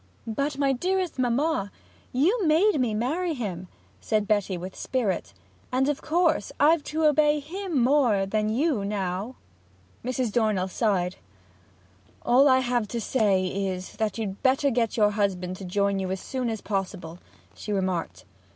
'But, my dearest mamma, you made me marry him!' says Betty with spirit, 'and of course I've to obey him more than you now!' Mrs. Dornell sighed. 'All I have to say is, that you'd better get your husband to join you as soon as possible,' she remarked.